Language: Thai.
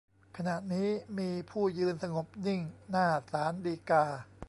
ขณะนี้มีผู้ยืนสงบนิ่งหน้าศาลฎีกา